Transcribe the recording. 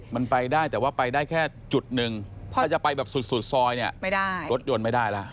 มันไปได้แต่ว่าไปได้แค่จุดหนึ่งถ้าจะไปแบบสุดซอยเนี่ยไม่ได้รถยนต์ไม่ได้แล้ว